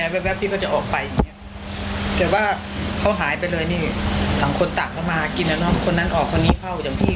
บ้านพี่ข้างข้างเขาได้กลิ่นทุกวันจันทร์